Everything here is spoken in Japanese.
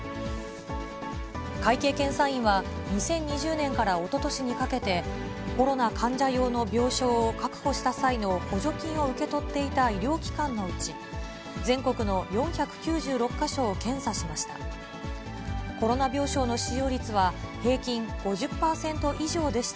会計検査院は、２０２０年からおととしにかけて、コロナ患者用の病床を確保した際の補助金を受け取っていた医療機関のうち、全国の４９６か所を検査しました。